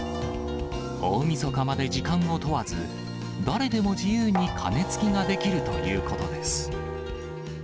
大みそかまで時間を問わず、誰でも自由に鐘つきができるということです。